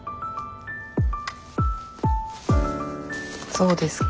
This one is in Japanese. そうですか。